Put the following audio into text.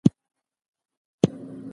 ما به هرې تراژیدۍ ته په زړه کي غریو نیولو.